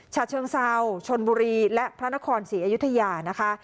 ฉะเชิงเซาชนบุรีและพระนครศรีอยุธยานะคะ